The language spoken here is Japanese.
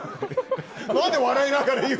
なんで笑いながら言う！